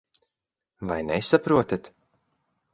Vai nesaprotat?